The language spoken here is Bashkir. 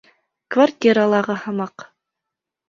Квартиралағы һымаҡ.